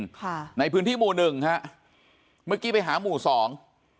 ค่ะในพื้นที่หมู่หนึ่งฮะเมื่อกี้ไปหาหมู่สอง